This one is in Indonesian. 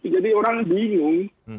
jadi orang bingung